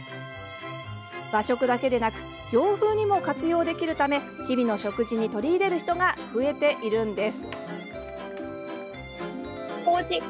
和食だけではなく洋風にも活用できるため日々の食事に取り入れる人が増えています。